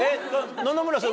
野々村さん